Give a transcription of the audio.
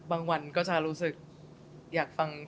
วันก็จะรู้สึกอยากฟัง